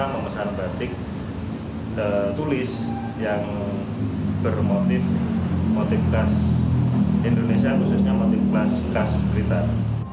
memesan batik tulis yang bermotif khas indonesia khususnya motif khas blitar